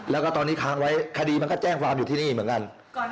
และทัวร์นี้คังไว้คดีมันก็แจ้งว่ามอยู่ที่นี่เหมือนกัน